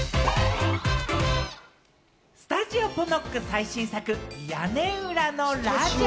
スタジオポノック最新作『屋根裏のラジャー』。